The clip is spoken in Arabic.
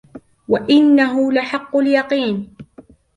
وإنه لحق اليقين